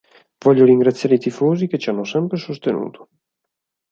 Voglio ringraziare i tifosi che ci hanno sempre sostenuto.